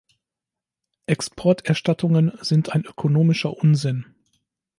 Exporterstattungen sind ein ökonomischer Unsinn.